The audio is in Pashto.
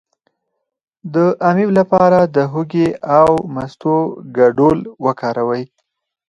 د امیب لپاره د هوږې او مستو ګډول وکاروئ